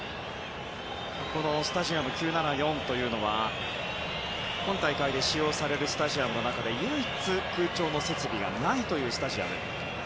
このスタジアム９７４というのは今大会で使用されるスタジアムの中で唯一、空調設備がないスタジアム。